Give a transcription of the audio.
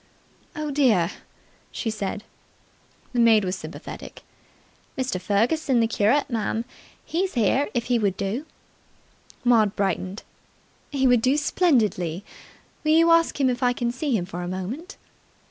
"Oh, dear!" she said. The maid was sympathetic. "Mr. Ferguson, the curate, miss, he's here, if he would do." Maud brightened. "He would do splendidly. Will you ask him if I can see him for a moment?"